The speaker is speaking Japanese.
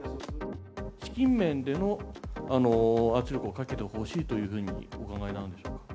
資金面での圧力をかけてほしいというふうにお考えなんでしょ